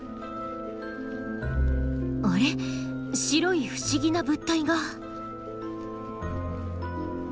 白い不思議な物体が。